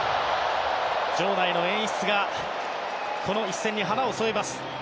場内の演出がこの一戦に華を添えます。